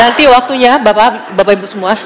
nanti waktunya bapak ibu semua